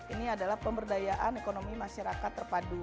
ini adalah pemberdayaan ekonomi masyarakat terpadu